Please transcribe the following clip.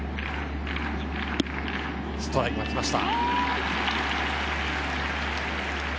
ストライクが来ました。